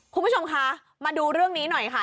คุณผู้ชมคะมาดูเรื่องนี้หน่อยค่ะ